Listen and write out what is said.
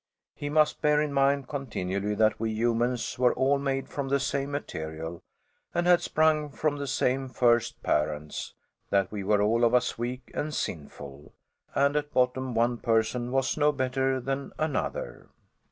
He must bear in mind continually that we humans were all made from the same material and had sprung from the same First Parents; that we were all of us weak and sinful and at bottom one person was no better than another.